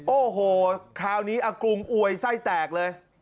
โอ้โหคราวนี้อากรุงอวยไส้แตกเลย